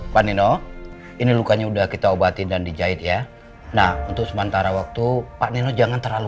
pak nino ini lukanya udah kita obatin dan dijahit ya nah untuk sementara waktu pak nino jangan terlalu